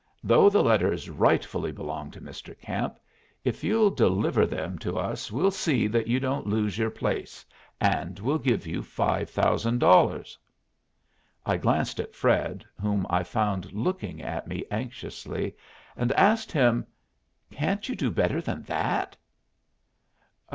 Though the letters rightfully belong to Mr. Camp, if you'll deliver them to us we'll see that you don't lose your place, and we'll give you five thousand dollars." I glanced at Fred, whom I found looking at me anxiously, and asked him, "Can't you do better than that?"